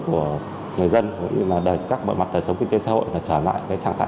của người dân để các bộ mặt tài sống kinh tế xã hội trở lại trang thái